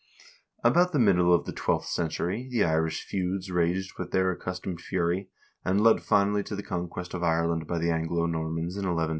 1 About the middle of the twelfth century the Irish feuds raged with their accustomed fury, and led finally to the conquest of Ireland by the Anglo Normans in 1169 1171.